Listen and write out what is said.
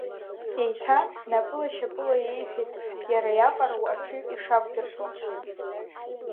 Еиҭа напыла-шьапыла иеиҳәеит иара иаҟароу аҽыҩ ишақәдыртәо…